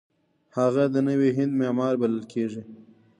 هغه د نوي هند معمار بلل کیږي.